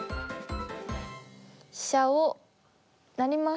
飛車を成ります。